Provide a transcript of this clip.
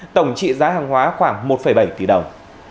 tổng trị giá hàng hóa khoảng một bảy tỷ đồng